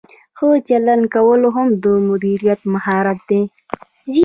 ښه چلند کول هم د مدیر مهارت دی.